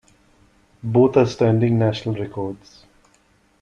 Both are standing national records.